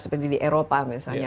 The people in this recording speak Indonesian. seperti di eropa misalnya